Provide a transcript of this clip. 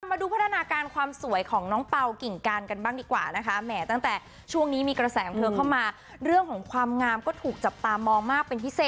มาดูพัฒนาการความสวยของน้องเป๋ากิ่งการกันบ้างดีกว่านะคะ